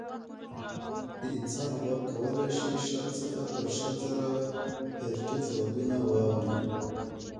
د انسان غوږ کولی شي شل څخه تر شل زره هیرټز غږونه واوري.